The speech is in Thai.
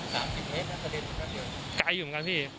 ไกลอยู่เหมือนกันพี่